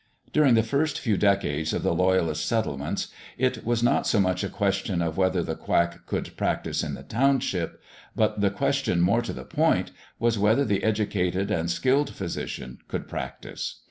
During the first few decades of the Loyalist settlements it was not so much a question of whether the quack could practise in the townships,[#] but the question more to the point was whether the educated and skilled physician would practise.